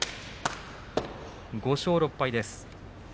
５勝６敗です。